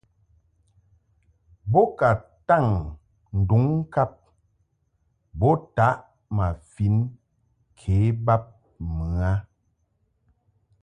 Bo ka taŋ nduŋ ŋkab bo taʼ ma fin ke bab mɨ a.